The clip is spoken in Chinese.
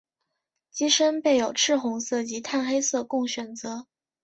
机身备有赤红色及碳黑色供选择。